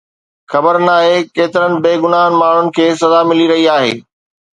خبر ناهي ڪيترين بيگناهه ماڻهن کي سزا ملي رهي آهي